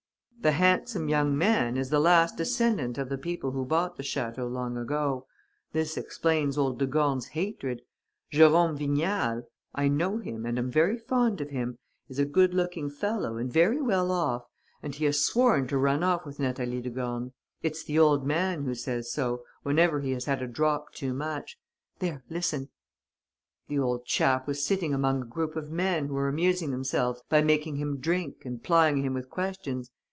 "'The handsome young man is the last descendant of the people who bought the château long ago. This explains old de Gorne's hatred. Jérôme Vignal I know him and am very fond of him is a good looking fellow and very well off; and he has sworn to run off with Natalie de Gorne. It's the old man who says so, whenever he has had a drop too much. There, listen!' "The old chap was sitting among a group of men who were amusing themselves by making him drink and plying him with questions.